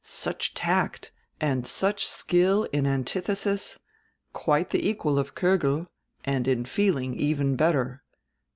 Such tact, and such skill in antithesis, quite die equal of Kogel, and in feeling even better.